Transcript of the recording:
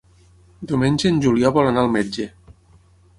Diumenge en Julià vol anar al metge.